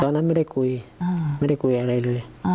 ตอนนั้นไม่ได้คุยไม่ได้คุยอะไรเลย